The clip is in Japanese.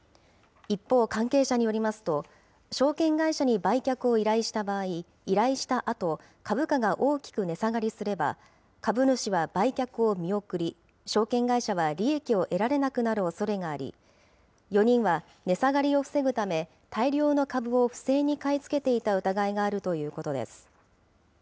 一方、関係者によりますと、証券会社に売却を依頼した場合、依頼したあと、株価が大きく値下がりすれば、株主は売却を見送り、証券会社は利益を得られなくなるおそれがあり、４人は値下がりを防ぐため、大量の株を不正に買い付けていた疑いがあるということです。